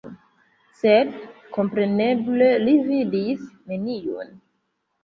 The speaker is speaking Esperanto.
Sed kompreneble li vidis neniun.